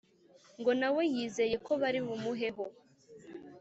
ngo nawe yizeye ko bari bumuheho